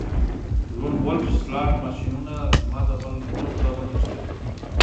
لون وولف سلاټ ماشینونه زما د بل وروسته وتښتیدل